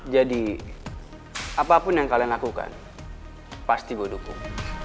jadi apapun yang kalian lakukan pasti gue dukung